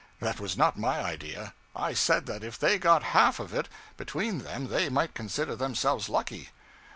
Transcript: That was not my idea. I said that if they got half of it between them they might consider themselves lucky.